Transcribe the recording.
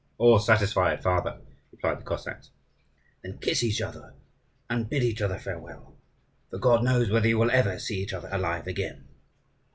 "All satisfied, father!" replied the Cossacks. "Then kiss each other, and bid each other farewell; for God knows whether you will ever see each other alive again.